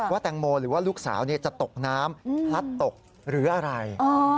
แตงโมหรือว่าลูกสาวจะตกน้ำพลัดตกหรืออะไร